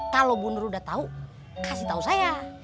kalau bundur udah tahu kasih tahu saya